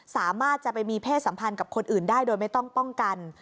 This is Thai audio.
สามารถจะไปมีเพศสัมพันธ์กับคนอื่นได้โดยไม่ต้องป้องกัน